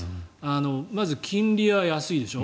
まず、金利が安いでしょ。